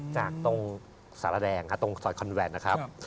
จากตรงสารแดงตรงซอยคอนแวนนะครับ